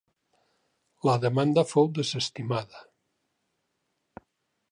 La demanda fou desestimada.